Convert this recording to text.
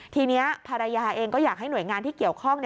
ทีนี้ภรรยาเองก็อยากให้หน่วยงานที่เกี่ยวข้อง